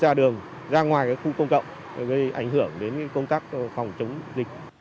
đi ra đường ra ngoài khu công cộng để ảnh hưởng đến công tác phòng chống dịch